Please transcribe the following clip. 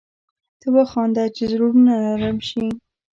ته وخانده چي زړونه نرم شي